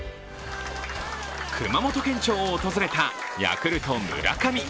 熊本県庁を訪れたヤクルト・村上。